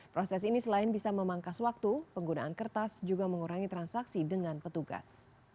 proses ini selain bisa memangkas waktu penggunaan kertas juga mengurangi transaksi dengan petugas